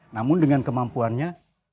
namun dengan kemampuannya